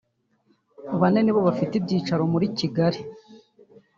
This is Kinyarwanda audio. bane nibo bafite ibyicaro mu i Kigali